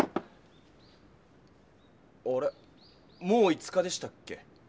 もう５日でしたっけ？